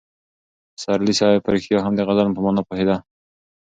پسرلي صاحب په رښتیا هم د غزل په مانا پوهېده.